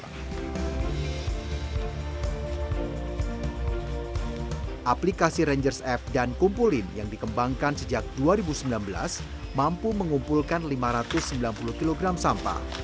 aplikasi rangers app dan kumpulin yang dikembangkan sejak dua ribu sembilan belas mampu mengumpulkan lima ratus sembilan puluh kg sampah